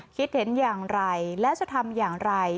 คิดเห็นอย่างไรและจะทำอย่างไร